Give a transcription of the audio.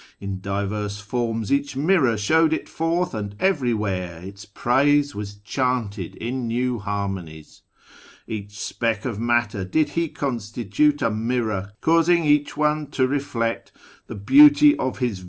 In divers forms Each mirror showed It forth, and everywhere Its praise was chanted in new harmonies. Each speck of matter did He constitute A mirror, causing each one to reflect 1 The beauty of His visage.